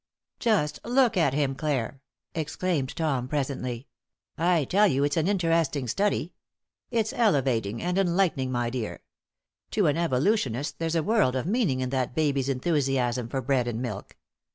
"Just look at him, Clare!" exclaimed Tom, presently. "I tell you it's an interesting study. It's elevating and enlightening, my dear. To an evolutionist there's a world of meaning in that baby's enthusiasm for bread and milk.